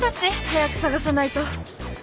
早く捜さないと。